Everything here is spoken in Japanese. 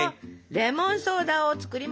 レモンソーダを作ります！